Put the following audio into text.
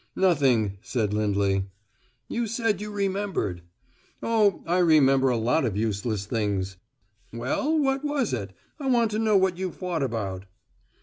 "Nothing," said Lindley. "You said you remembered." "Oh, I remember a lot of useless things." "Well, what was it? I want to know what you fought about."